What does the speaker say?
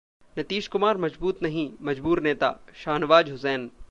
नीतीश कुमार मजबूत नहीं, मजबूर नेताः शाहनवाज हुसैन